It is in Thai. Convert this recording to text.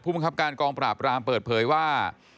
บังคับการกองปราบรามเปิดเผยว่า